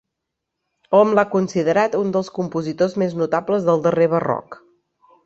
Hom l'ha considerat un dels compositors més notables del darrer Barroc.